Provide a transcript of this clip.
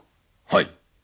はい。